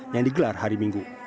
yang digelar hari minggu